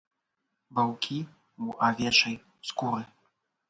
Ваўкі ў авечай скуры!